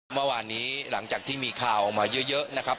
เมื่อวานนี้หลังจากที่มีข่าวออกมาเยอะนะครับ